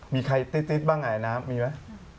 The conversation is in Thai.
มีใครติ๊ดบ้างไอน้ำมีไหม